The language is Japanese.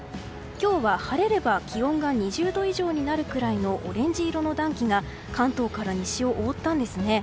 今日は晴れれば気温が２０度以上になるくらいのオレンジ色の暖気が関東から西を覆ったんですね。